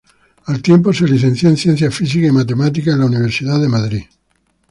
Al tiempo se licenció en Ciencias Físicas y Matemáticas, en la Universidad de Madrid.